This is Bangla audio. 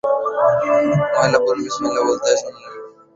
মহিলা পুরুষটিকে বিসমিল্লাহ পড়তে শুনলেন।